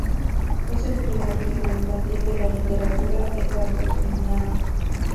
Es el primer libro infantil de la literatura ecuatoguineana.